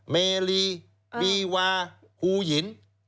เมรีบีวาฮูหิน